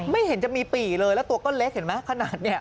ไม่เห็นจะมีปี่เลยแล้วตัวก็เล็กเห็นไหมขนาดนี้